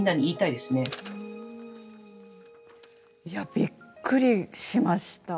びっくりしました。